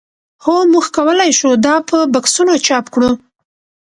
هو موږ کولی شو دا په بکسونو چاپ کړو